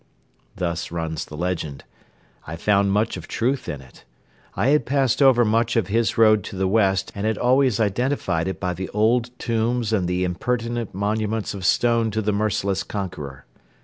'" Thus runs the legend. I found much of truth in it. I had passed over much of his road to the west and always identified it by the old tombs and the impertinent monuments of stone to the merciless conqueror.